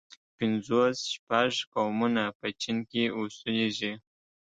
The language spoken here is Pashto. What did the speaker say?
پنځوس شپږ قومونه په چين کې اوسيږي.